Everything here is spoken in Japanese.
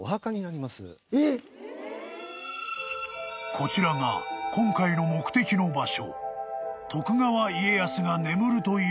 ［こちらが今回の目的の場所］